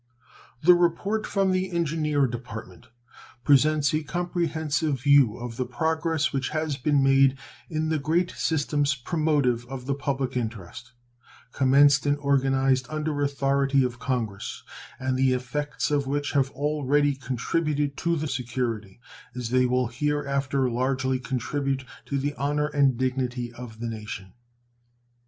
The report from the Engineer Department presents a comprehensive view of the progress which has been made in the great systems promotive of the public interest, commenced and organized under authority of Congress, and the effects of which have already contributed to the security, as they will hereafter largely contribute to the honor and dignity, of the nation.